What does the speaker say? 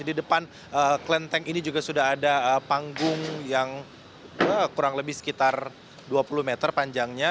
di depan kelenteng ini juga sudah ada panggung yang kurang lebih sekitar dua puluh meter panjangnya